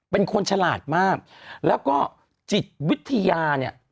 เป็นคนฉลาดมากแล้วก็จิตวิทยาเนี่ย